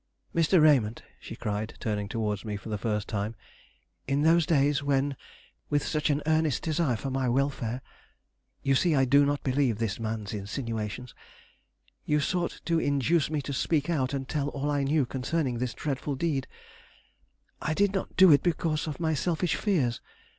Mr. Raymond," she cried, turning towards me for the first time, "in those days when, with such an earnest desire for my welfare (you see I do not believe this man's insinuations), you sought to induce me to speak out and tell all I knew concerning this dreadful deed, I did not do it because of my selfish fears.